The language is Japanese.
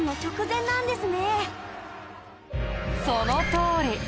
そのとおり！